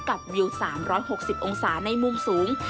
วิว๓๖๐องศาในมุมสูง